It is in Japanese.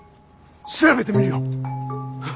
調べてみるよ。